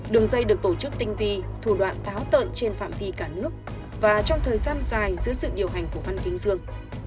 đường dây được tổ chức tinh vi thủ đoạn táo tợn trên phạm vi cả nước và trong thời gian dài dưới sự điều hành của văn kính dương